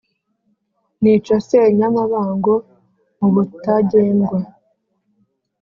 nica Senyamabango mu Butagendwa;